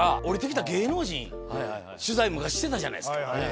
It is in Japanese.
降りて来た芸能人の取材昔してたじゃないですか。